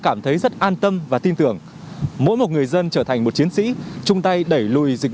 cảm thấy rất an tâm và tin tưởng mỗi một người dân trở thành một chiến sĩ chung tay đẩy lùi dịch